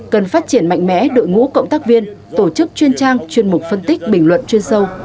cần phát triển mạnh mẽ đội ngũ cộng tác viên tổ chức chuyên trang chuyên mục phân tích bình luận chuyên sâu